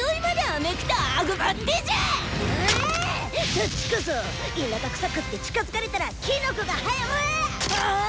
そっちこそ田舎くさくって近づかれたらキノコが生ぇらぁ。